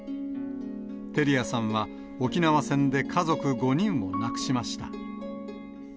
照屋さんは、沖縄戦で家族５人を亡くしました。